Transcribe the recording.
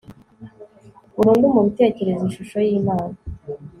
burundu mu bitekerezo ishusho yImana